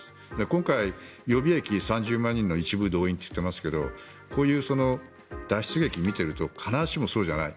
今回、予備役３０万人の一部動員といっていますがこういう脱出劇を見ていると必ずしもそうじゃない。